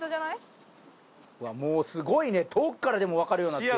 すごいね遠くからでもわかるようになってる。